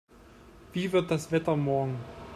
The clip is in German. Wie wird das Wetter morgen?